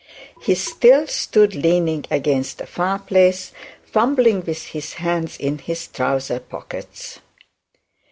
He still stood leaning against the fire place, fumbling with his hands in his trouser's pockets.